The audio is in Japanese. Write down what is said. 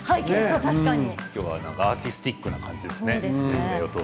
きょうはアーティスティックな感じですね。